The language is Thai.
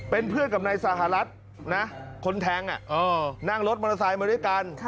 เป็นเพื่อนกับนายสหรัฐนะคนแทงนั่งรถมอเตอร์ไซค์มาด้วยกัน